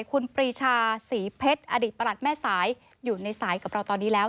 คุณปรีชาศรีเพชรอดีตประหลัดแม่สายอยู่ในสายกับเราตอนนี้แล้ว